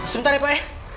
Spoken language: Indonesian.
sebentar ya pak